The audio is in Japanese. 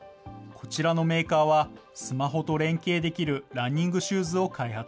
こちらのメーカーは、スマホと連携できるランニングシューズを開発。